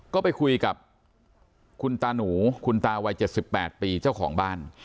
ก็ไปคุยกับคุณตาหนูคุณตาวัย๗๘ปีเจ้าของบ้าน